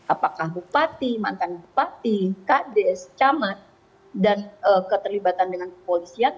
apakah bupati mantan bupati kades camat dan keterlibatan dengan kepolisian